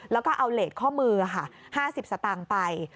แล้วก็เอาเลสข้อมือ๕๐สตางค์ไป